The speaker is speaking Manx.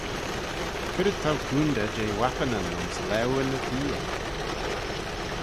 C'red t'ou coontey jeh wappinyn ayns laueyn y theay?